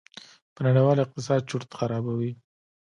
په نړېوال اقتصاد چورت خرابوي.